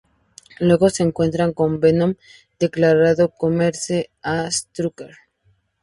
Luego se encuentra con Venom declarando comerse a Strucker.